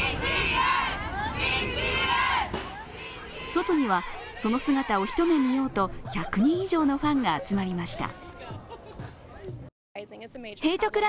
外には、その姿を一目見ようと１００人以上のファンが集まりました